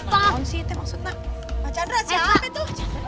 pak chandra siapa itu